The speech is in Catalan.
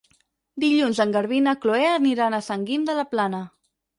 Dilluns en Garbí i na Chloé aniran a Sant Guim de la Plana.